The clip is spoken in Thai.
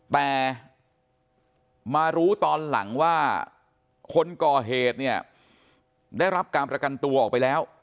แต่มารู้ตอนหลังว่าคนก่อเหตุเนี่ยได้รับการประกันตัวออกไปแล้ว